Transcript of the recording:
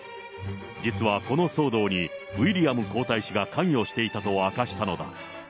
実はこの騒動に、ウィリアム皇太子が関与していたと明かしたのだ。